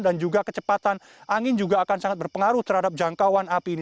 dan juga kecepatan angin juga akan sangat berpengaruh terhadap jangkauan api ini